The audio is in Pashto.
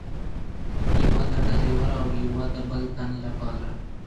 یوه د ډریور او یوه د بل تن له پاره.